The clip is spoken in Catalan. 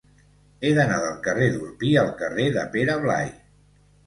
He d'anar del carrer d'Orpí al carrer de Pere Blai.